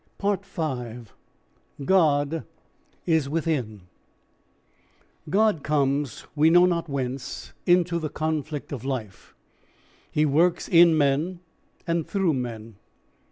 5. GOD IS WITHIN God comes we know not whence, into the conflict of life. He works in men and through men.